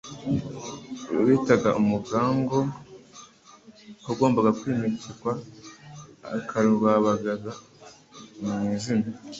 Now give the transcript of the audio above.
bitaga umugangu uwagombaga kwimikwa akarwambara mu izina